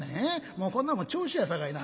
もうこんなんも調子やさかいな」。